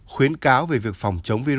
khuyến cáo về việc phòng chống dịch